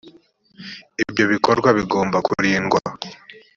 ibyo bikorwa gibomba kurindwa